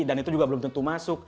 itu juga belum tentu masuk